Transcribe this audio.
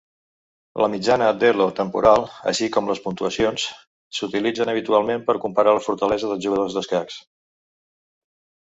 La mitjana d'Elo temporal, així com les puntuacions, s'utilitzen habitualment per comparar les fortaleses dels jugadors d'escacs.